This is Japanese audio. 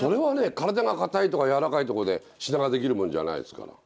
体が硬いとかやわらかいとかでしなができるもんじゃないですから。